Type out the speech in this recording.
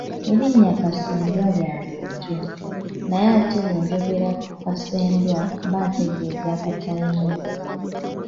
Elinnya Kasendwa lya muntu, naye ate bwe njogera ku Akasendwa mba ntegeeza akkatayimbwa.